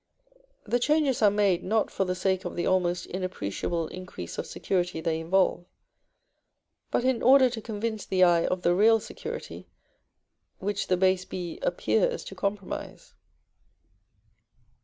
The changes are made, not for the sake of the almost inappreciable increase of security they involve, but in order to convince the eye of the real security which the base b appears to compromise.